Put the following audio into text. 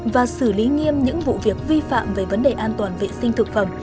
và xử lý nghiêm những vụ việc vi phạm về vấn đề an toàn vệ sinh thực phẩm